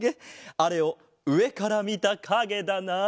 あれをうえからみたかげだな？